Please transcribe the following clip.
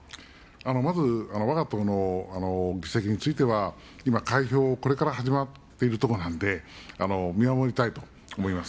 まずわが党の議席については、今、開票がこれから始まっているところなんで、見守りたいと思います。